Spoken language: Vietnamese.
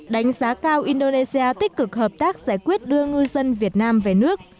đánh giá cao indonesia tích cực hợp tác giải quyết đưa ngư dân việt nam về nước